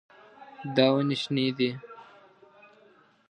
دا ونې شنې دي.